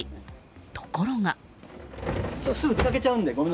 ところが。